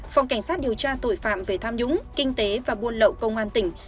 phòng cảnh sát điều tra tội phạm về tham nhũng kinh tế và buôn lậu công an tỉnh